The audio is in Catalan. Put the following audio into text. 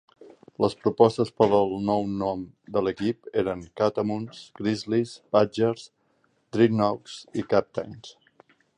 Les propostes per al nou nom de l'equip eren "Catamounts", "Grizzlies", "Badgers", "Dreadnaughts" i "Captains".